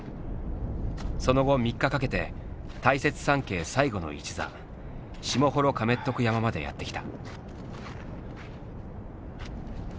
その後３日かけて大雪山系最後の一座下ホロカメットク山までやって来た。